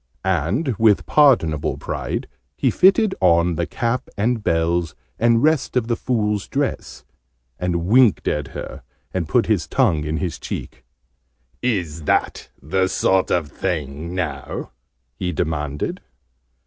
And with pardonable pride he fitted on the cap and bells, and the rest of the Fool's dress, and winked at her, and put his tongue in his cheek. "Is that the sort of thing, now." he demanded.